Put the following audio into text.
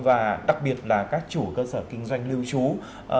và đặc biệt là các chủ cơ sở kinh doanh lưu trú